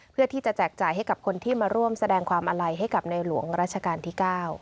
เพื่อที่จะแจกจ่ายให้กับคนที่มาร่วมแสดงความอาลัยให้กับในหลวงราชการที่๙